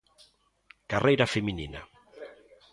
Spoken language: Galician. Carreira feminina.